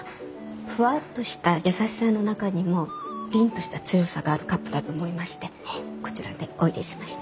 ふわっとした優しさの中にも凜とした強さがあるカップだと思いましてこちらでおいれしました。